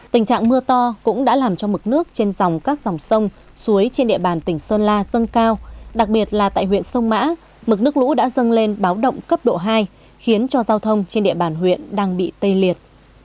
tình trạng mưa to cũng đã làm cho mực nước trên dòng các dòng sông suối trên địa bàn tỉnh sơn la dâng cao đặc biệt là tại huyện sông mã mực nước lũ đã dâng lên báo động cấp độ hai khiến cho giao thông trên địa bàn huyện đang bị tê liệt